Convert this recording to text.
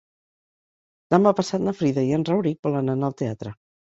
Demà passat na Frida i en Rauric volen anar al teatre.